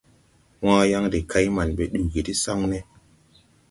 Wããyaŋ de kay man ɓɛ ɗugi ti saŋne.